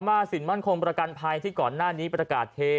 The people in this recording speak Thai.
สินมั่นคงประกันภัยที่ก่อนหน้านี้ประกาศเท